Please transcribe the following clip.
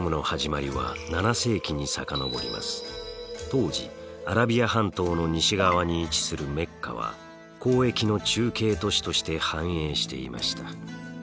当時アラビア半島の西側に位置するメッカは交易の中継都市として繁栄していました。